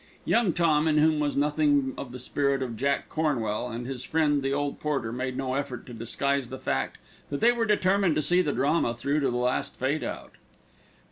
Young Tom, in whom was nothing of the spirit of Jack Cornwell, and his friend the old porter made no effort to disguise the fact that they were determined to see the drama through to the last fade out.